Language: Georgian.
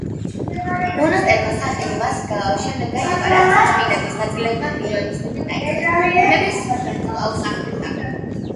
მონასტერმა სახელი მას შემდეგ გაითქვა, რაც წმინდანის ნაწილებმა მირონის დენა დაიწყეს, რომელიც სასწაულებს ახდენდა.